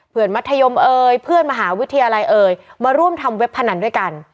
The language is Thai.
มัธยมเอ่ยเพื่อนมหาวิทยาลัยเอ่ยมาร่วมทำเว็บพนันด้วยกัน